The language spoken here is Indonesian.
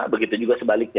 begitu juga sebaliknya